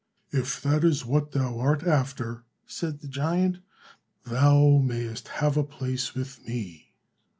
"If that is what thou art after," said the giant, "thou mayst have a place with me."